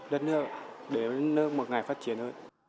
để một ngày phát triển